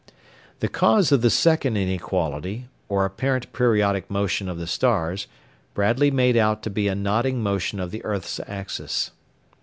The cause of the second inequality, or apparent periodic motion of the stars, Bradley made out to be a nodding motion of the earth's axis.